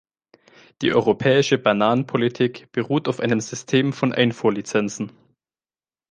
Die europäische Bananenpolitik beruht auf einem System von Einfuhrlizenzen.